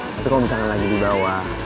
tapi kalau misalnya lagi dibawa